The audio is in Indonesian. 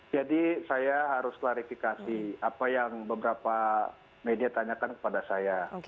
jadi saya harus klarifikasi apa yang beberapa media tanyakan kepada saya